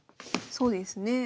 そうですね。